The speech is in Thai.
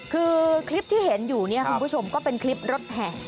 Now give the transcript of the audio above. คือคลิปที่เห็นอยู่เนี่ยคุณผู้ชมก็เป็นคลิปรถแห่